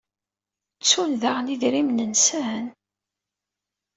Ttun daɣen idrimen-nsen?